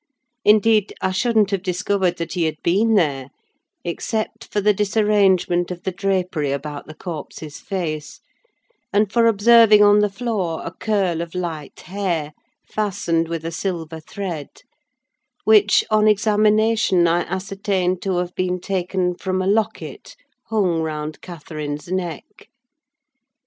Indeed, I shouldn't have discovered that he had been there, except for the disarrangement of the drapery about the corpse's face, and for observing on the floor a curl of light hair, fastened with a silver thread; which, on examination, I ascertained to have been taken from a locket hung round Catherine's neck.